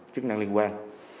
chức năng liên quan